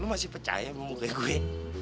lo masih percaya memulai gue